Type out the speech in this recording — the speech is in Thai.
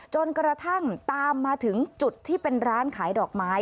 จนกระทั่งตามมาถึงจุดที่เป็นร้านขายดอกไม้